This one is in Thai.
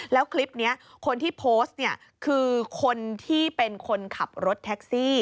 แล้วคลิปนี้คนที่โพสต์เนี่ยคือคนที่เป็นคนขับรถแท็กซี่